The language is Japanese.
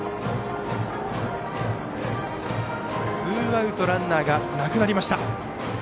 ツーアウトランナーなくなりました。